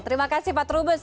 terima kasih pak trubus